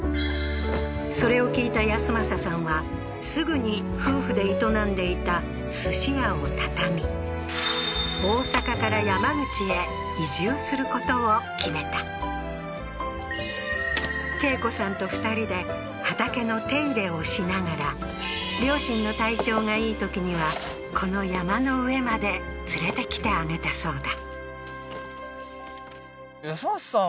それを聞いた安政さんはすぐに夫婦で営んでいた寿司屋を畳み大阪から恵子さんとふたりで畑の手入れをしながら両親の体調がいいときにはこの山の上まで連れてきてあげたそうだ